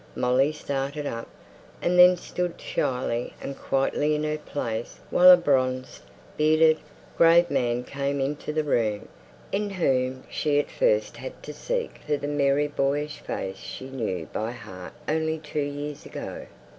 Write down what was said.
Molly started up; and then stood shyly and quietly in her place while a bronzed, bearded, grave man came into the room, in whom she at first had to seek for the merry boyish face she knew by heart only two years ago.